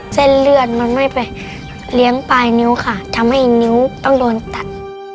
เส้นเลือดมันไม่ไปเลี้ยงปลายนิ้วค่ะทำให้นิ้วต้องโดนตัด